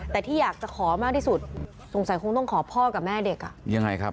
แต่ที่อยากจะขอมากที่สุดสงสัยคงต้องขอพ่อกับแม่เด็ก